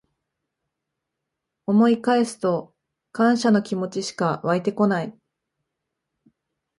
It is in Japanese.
思い返すと感謝の気持ちしかわいてこない